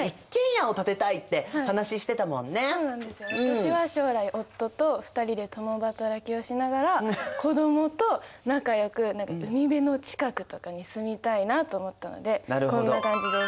私は将来夫と２人で共働きをしながら子どもと仲よく海辺の近くとかに住みたいなと思ったのでこんな感じです！